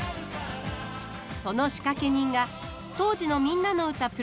その仕掛け人が当時の「みんなのうた」